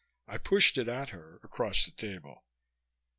I pushed it at her across the table.